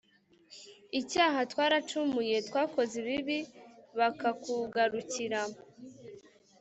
icyaha twaracumuye d twakoze ibibi bakakugarukira